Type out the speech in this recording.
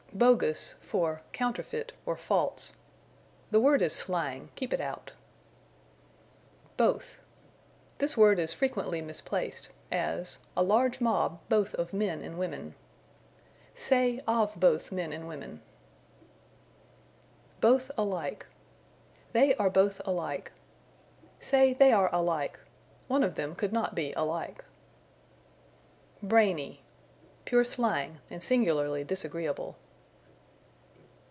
Bogus for Counterfeit, or False. The word is slang; keep it out. Both. This word is frequently misplaced; as, "A large mob, both of men and women." Say, of both men and women. Both alike. "They are both alike." Say, they are alike. One of them could not be alike. Brainy. Pure slang, and singularly disagreeable.